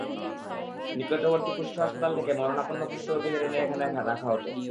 নিকটবর্তী কুষ্ঠ হাসপাতাল থেকে মরণাপন্ন কুষ্ঠ রোগীদের এনে এখানে রাখা হতো।